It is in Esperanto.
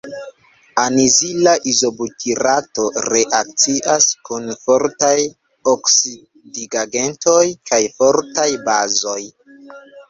Anizila izobutirato reakcias kun fortaj oksidigagentoj kaj fortaj bazoj.